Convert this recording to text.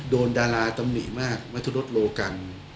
โดนดาราตำนีมากมัธุรถโลกรัม